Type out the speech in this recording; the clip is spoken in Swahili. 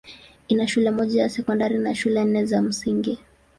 Ina shule moja ya sekondari na shule nne za msingi.